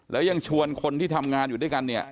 แล้วยังชวนคนที่ทำงานอยู่ด้วยกันเนี่ย